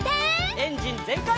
エンジンぜんかい！